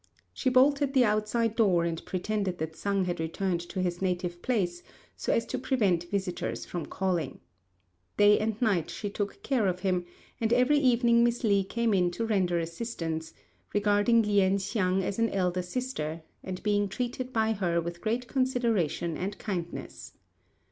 She bolted the outside door and pretended that Sang had returned to his native place, so as to prevent visitors from calling. Day and night she took care of him, and every evening Miss Li came in to render assistance, regarding Lien hsiang as an elder sister, and being treated by her with great consideration and kindness.